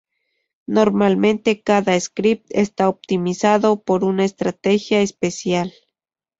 Normalmente cada script está optimizado para una estrategia especial.